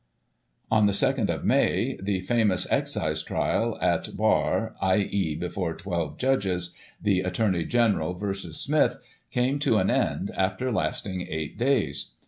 On the 2nd of May, the famous Excise trial at Bar, i.e., before twelve judges, the Attorney General v. Smith, came to an end, after lasting eight days.